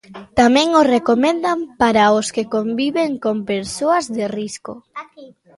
Tamén o recomendan para os que conviven con persoas de risco.